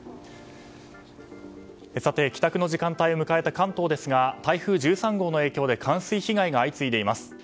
帰宅の時間帯を迎えた関東ですが台風１３号の影響で冠水被害が相次いでいます。